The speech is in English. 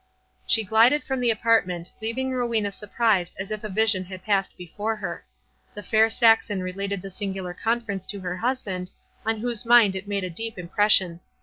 She glided from the apartment, leaving Rowena surprised as if a vision had passed before her. The fair Saxon related the singular conference to her husband, on whose mind it made a deep impression.